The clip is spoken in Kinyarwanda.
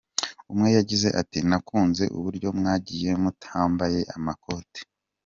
Umwe yagize ati “Nakunze uburyo mwagiye mutambaye amakote.